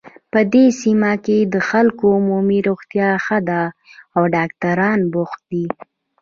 په دې سیمه کې د خلکو عمومي روغتیا ښه ده او ډاکټران بوخت دي